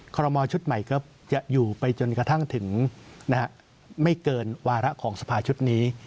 ขอรมอลชุดใหม่ก็จะอยู่ไปจนกระทั่งถึงไม่เกินวาระของสภาชุดนี้